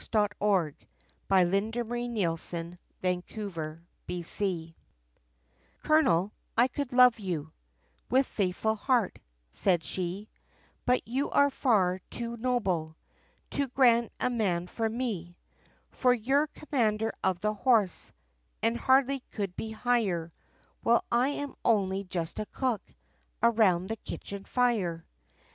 [Illustration: The Colonel and the Cook] OH COLONEL I could love you, With faithful heart," said she; "But you are far too noble Too grand a man for me, For you're Commander of the Horse, And hardly could be higher, While, I am only just a Cook, Around the kitchen fire."